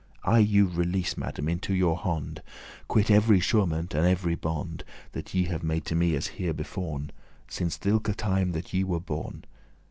*sunder, split up I you release, Madame, into your hond, Quit ev'ry surement* and ev'ry bond, *surety That ye have made to me as herebeforn, Since thilke time that ye were born.